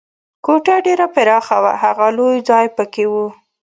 کوټه ډېره پراخه وه، ښه لوی ځای پکې و.